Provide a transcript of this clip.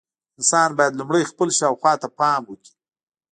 انسان باید لومړی خپل شاوخوا ته پام وکړي.